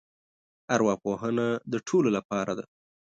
ارواپوهنه د ټولو لپاره دی.